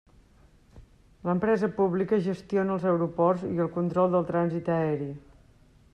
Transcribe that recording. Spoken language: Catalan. L'empresa pública gestiona els aeroports i el control del trànsit aeri.